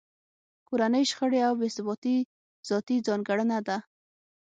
کورنۍ شخړې او بې ثباتۍ ذاتي ځانګړنه ده